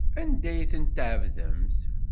Anda ay tent-tɛebdemt?